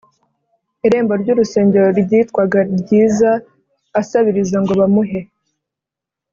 irembo ry urusengero ryitwaga Ryiza asabiriza ngo bamuhe